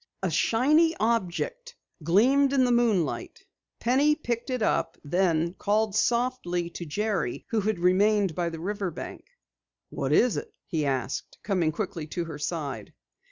A shiny object gleamed in the moonlight. Penny picked it up, then called softly to Jerry who had remained by the river bank. "What is it?" he asked, coming quickly to her side.